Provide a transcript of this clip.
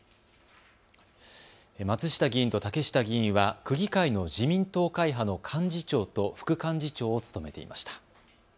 松下議員と竹下議員は区議会の自民党会派の幹事長と副幹事長を務めていました。